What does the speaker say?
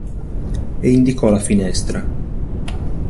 E indicò la finestra.